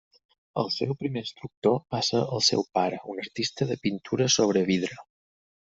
El seu primer instructor va ser el seu pare, un artista de pintura sobre vidre.